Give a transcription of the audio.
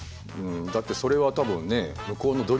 だってそれは多分ね向こうの努力だしね。